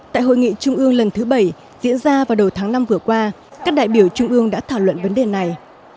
tại hội nghị trung ương lần thứ bảy diễn ra vào đầu tháng năm vừa qua các đại biểu trung ương đã thảo luận vấn đề này